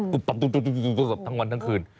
ตุ๊บตุ๊บตุ๊บทั้งวันทั้งคืน